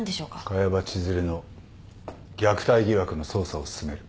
萱場千寿留の虐待疑惑の捜査を進める。